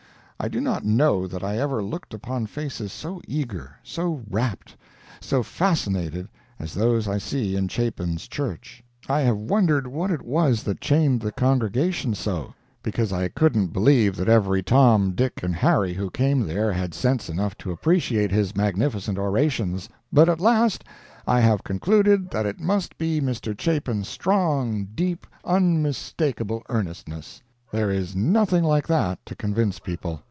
I do not know that I ever looked upon faces so eager, so wrapt, so fascinated as those I see in Chapin's church. I have wondered what it was that chained the congregation so, (because I couldn't believe that every Tom, Dick and Harry who came there had sense enough to appreciate his magnificent orations,) but at last I have concluded that it must be Mr. Chapin's strong, deep, unmistakable earnestness. There is nothing like that to convince people.